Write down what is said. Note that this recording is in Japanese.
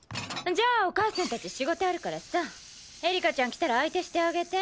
じゃあお母さんたち仕事あるからさエリカちゃん来たら相手してあげて。